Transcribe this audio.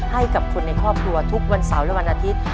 ให้กับคนในครอบครัวทุกวันเสาร์และวันอาทิตย์